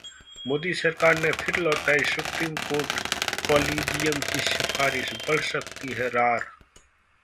मोदी सरकार ने फिर लौटाई सुप्रीम कोर्ट कॉलेजियम की सिफारिश, बढ़ सकती है रार